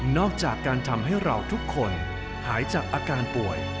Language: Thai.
อกจากการทำให้เราทุกคนหายจากอาการป่วย